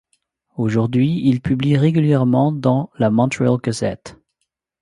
Aujourd'hui, il publie régulièrement dans la Montreal Gazette.